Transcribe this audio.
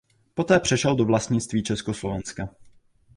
Poté přešel do vlastnictví Československa.